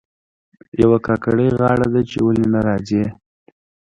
یوه کاکړۍ غاړه ده چې ولې نه راځي.